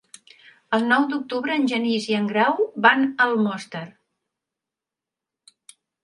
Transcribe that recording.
El nou d'octubre en Genís i en Grau van a Almoster.